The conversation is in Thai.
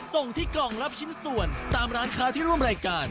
ส่งที่กล่องรับชิ้นส่วนตามร้านค้าที่ร่วมรายการ